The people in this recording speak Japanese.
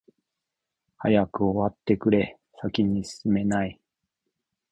早く終わってくれ、先に進めない。